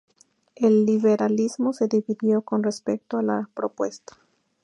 El liberalismo se dividió con respecto a la propuesta.